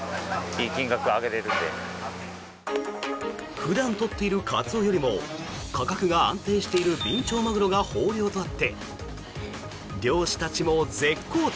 普段取っているカツオよりも価格が安定しているビンチョウマグロが豊漁とあって漁師たちも舌好調。